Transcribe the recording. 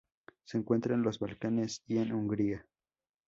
Se encuentra en los Balcanes y en Hungría.